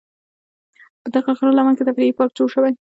په دغه غره لمن کې تفریحي پارک جوړ شوی.